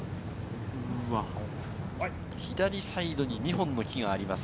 左サイドに２本の木があります。